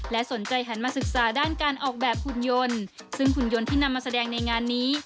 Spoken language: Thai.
และสนใจหันมาศึกษาด้านการออกแบบหุ่นยนต์ซึ่งหุ่นยนต์ที่นำมาแสดงในงานนี้